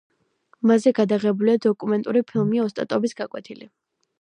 მასზე გადაღებულია დოკუმენტური ფილმი „ოსტატობის გაკვეთილი“.